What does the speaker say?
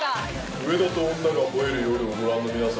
『上田と女が吠える夜』をご覧の皆様。